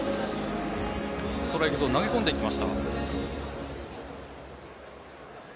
ストライクゾーン投げ込んでいきました。